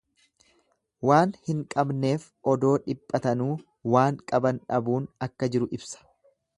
Waan hin qabneef odoo dhiphatanuu waan qaban dhabuun akka jiru ibsa.